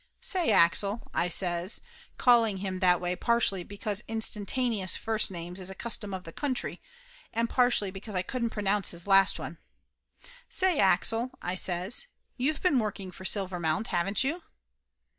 "Say, Axel," I says, calling him that way partially because instantaneous first names is a custom of the country and partially because I couldn't pronounce his last one "say, Axel," I says, "you've been working for Silvermount, haven't you?"